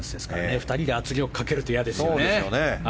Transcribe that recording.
２人で圧力をかけるって嫌ですよね。